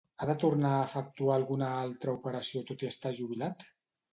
Ha de tornar a efectuar alguna altra operació tot i estar jubilat?